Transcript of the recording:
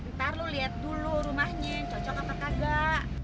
ntar lu liat dulu rumahnya cocok apa kagak